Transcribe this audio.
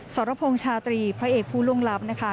สรพงษ์ชาตรีพระเอกผู้ล่วงลับนะคะ